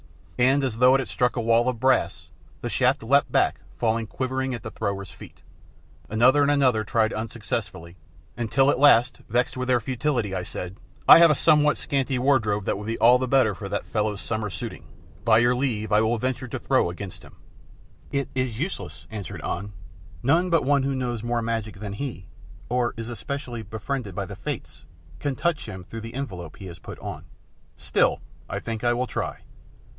And as though it had struck a wall of brass, the shaft leapt back falling quivering at the thrower's feet. Another and another tried unsuccessfully, until at last, vexed at their futility, I said, "I have a somewhat scanty wardrobe that would be all the better for that fellow's summer suiting, by your leave I will venture a throw against him." "It is useless," answered An; "none but one who knows more magic than he, or is especially befriended by the Fates can touch him through the envelope he has put on." "Still, I think I will try."